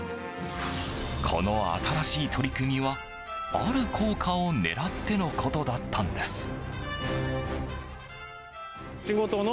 この新しい取り組みはある効果を狙ってのことだったんです。